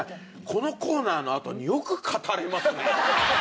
このコーナーのあとによく語れますね。